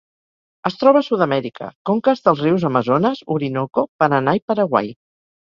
Es troba a Sud-amèrica: conques dels rius Amazones, Orinoco, Paranà i Paraguai.